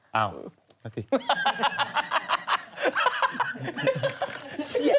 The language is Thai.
เฉพาะวันหยุดวันหยุดเหรอคะ